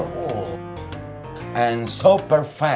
dan sangat sempurna